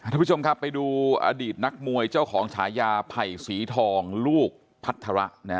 ทุกผู้ชมครับไปดูอดีตนักมวยเจ้าของฉายาไผ่สีทองลูกพัฒระ